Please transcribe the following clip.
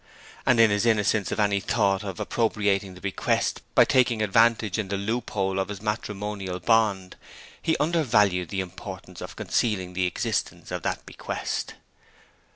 And in his innocence of any thought of appropriating the bequest by taking advantage of the loophole in his matrimonial bond, he undervalued the importance of concealing the existence of that bequest.